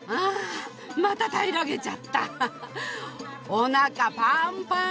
おなかパンパン。